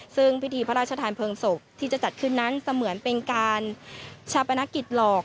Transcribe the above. ซึ่งพิธีพระราชทานเพลิงศพที่จะจัดขึ้นนั้นเสมือนเป็นการชาปนกิจหลอก